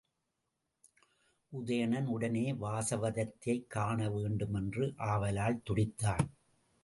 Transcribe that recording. உதயணன் உடனே வாசவதத்தையைக் காணவேண்டும் என்ற ஆவலால் துடித்தான்.